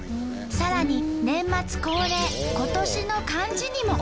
さらに年末恒例「今年の漢字」にも。